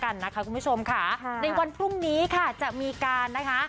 ในวันพรุ่งนี้จะมีการ